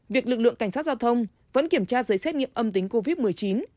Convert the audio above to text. việc lực lượng cảnh sát giao thông vẫn kiểm tra giấy xét nghiệm âm tính covid một mươi chín